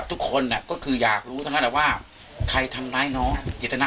ทุกคนน่ะก็คืออยากรู้ทั้งประหละว่าใครทำร้ายน้องถานาคนนี้